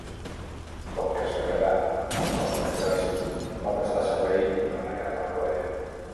Com que es va quedar amb el cos d'exèrcit, va prestar servei durant la guerra de Corea.